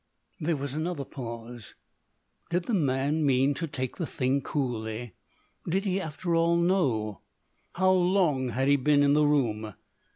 There was another pause. Did the man mean to take the thing coolly? Did he after all know? How long had he been in the room?